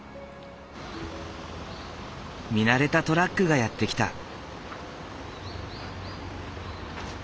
見慣れたトラックがやって来た。